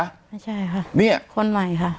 ไม่ใช่ค่ะคนใหม่ค่ะ